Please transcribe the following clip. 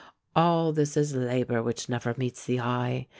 All this is labour which never meets the eye.